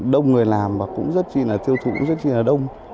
đông người làm và cũng rất chi là tiêu thụ rất chi là đông